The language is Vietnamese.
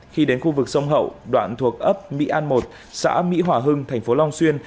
khi đến khu vực sông hậu đoạn thuộc ấp mỹ an một xã mỹ hòa hưng thành phố long xuyên